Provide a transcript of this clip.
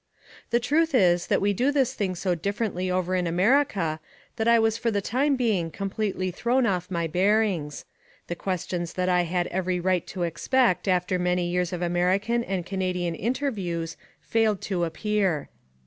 The truth is that we do this thing so differently over in America that I was for the time being completely thrown off my bearings. The questions that I had every right to expect after many years of American and Canadian interviews failed to appear.